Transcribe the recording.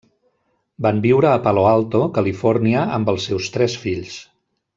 Van viure a Palo Alto, Califòrnia amb els seus tres fills.